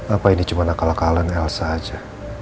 apa ini cuman akal akalan elsa aja